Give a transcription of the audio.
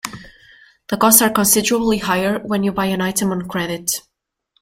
The costs are considerably higher when you buy an item on credit.